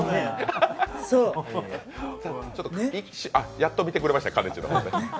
やっと見てくれましたかねちの方。